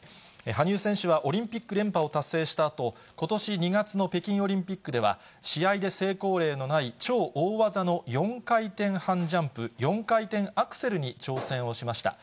羽生選手はオリンピック連覇を達成したあと、ことし２月の北京オリンピックでは、試合で成功例のない超大技の４回転半ジャンプ、４回転アクセルに挑戦をしました。